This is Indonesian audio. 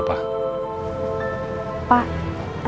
maka aku mau dateng ke sana